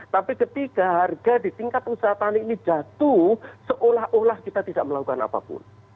tapi ketika harga di tingkat usaha tani ini jatuh seolah olah kita tidak melakukan apapun